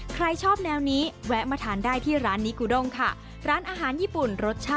ใครชอบแนวนี้แวะมาทานได้ที่ร้านนิกุดงค่ะ